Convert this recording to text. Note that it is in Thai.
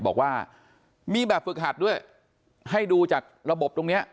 บอกว่ามีแบบฝึกหัดด้วยให้ดูจากระบบตรงเนี้ย